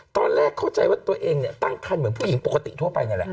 ตอนแรกเข้าใจว่าตัวเองเนี่ยตั้งคันเหมือนผู้หญิงปกติทั่วไปนี่แหละ